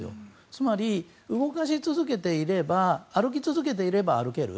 つまり、動かし続けていれば歩き続けていれば歩ける。